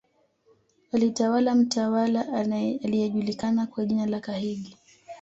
Alitawala mtawala aliyejulikana kwa jina la Kahigi